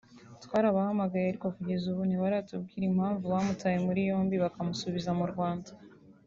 “Twarabahamagaye ariko kugeza ubu ntibaratubwira impamvu bamutaye muri yombi bakamusubiza mu Rwanda